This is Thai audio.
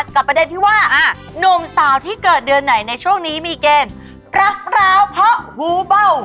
ประเด็นที่ว่านุ่มสาวที่เกิดเดือนไหนในช่วงนี้มีเกมรักร้าวเพราะหูเบ้า